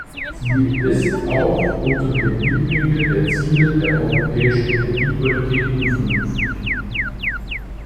Sie ist auch unter dem Blickwinkel der Ziele der europäischen Energiepolitik unvernünftig.